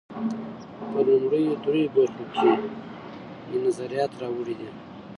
په لومړیو درېیو برخو کې مې نظریات راوړي دي.